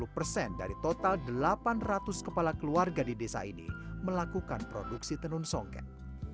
lima puluh persen dari total delapan ratus kepala keluarga di desa ini melakukan produksi tenun songket